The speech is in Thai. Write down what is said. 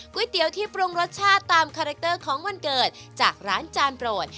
เตี๋ยวที่ปรุงรสชาติตามคาแรคเตอร์ของวันเกิดจากร้านจานโปรด